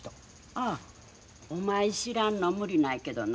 ああお前知らんのは無理ないけどな